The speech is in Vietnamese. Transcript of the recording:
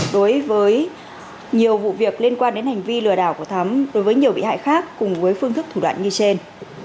đối với nhiều vụ việc liên quan đến hành vi lừa đảo của thắm đối với nhiều bị hại khác cùng với phương thức thủ đoạn như trên